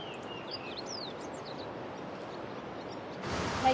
はい。